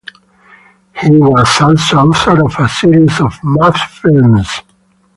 He was also author of a series of math films.